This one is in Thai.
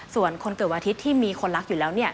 ส่วนคนเกิดวันอาทิตย์ที่มีคนรักอยู่แล้ว